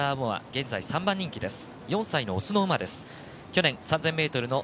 現在３番人気です。